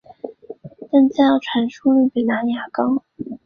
但资料传输率比蓝牙高。